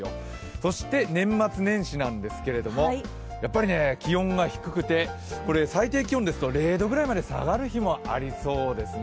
そして年末年始なんですけどやはり気温が低くて最低気温ですと０度ぐらいまで下がる日もありそうですね。